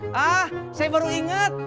hah saya baru inget